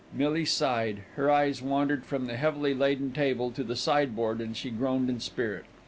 Millie sighed. Her eyes wandered from the heavily laden table to the sideboard, and she groaned in spirit.